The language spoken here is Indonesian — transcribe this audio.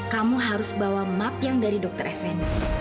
kamu harus bawa map yang dari dr effendi